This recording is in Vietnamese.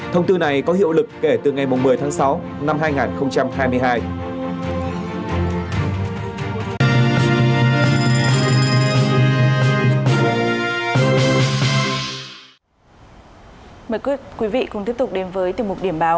thông tư này có hiệu lực kể từ ngày một mươi tháng sáu năm hai nghìn hai mươi hai